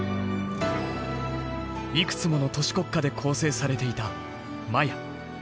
いくつもの都市国家で構成されていたマヤ。